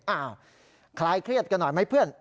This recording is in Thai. คลายเครียดกันหน่อยไหมเพื่อน